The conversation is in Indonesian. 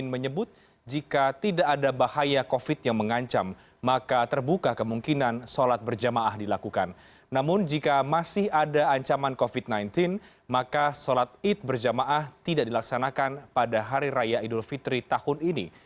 pembukaan tempat ibadah tidak dilaksanakan pada hari raya idul fitri tahun ini